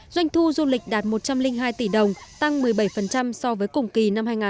doanh thu du lịch đạt một trăm linh hai tỷ đồng tăng một mươi bảy so với cùng kỳ